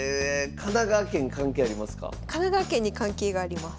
神奈川県に関係があります。